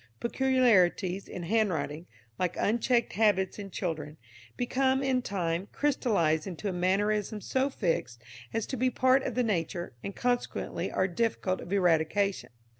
Peculiarities in handwriting, like unchecked habits in children, become, in time, crystallised into a mannerism so fixed as to be part of the nature, and consequently are difficult of eradication.